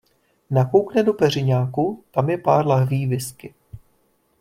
Nakoukne do peřiňáku, tam je pár lahví whisky.